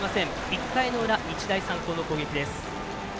１回の裏、日大三高の攻撃です。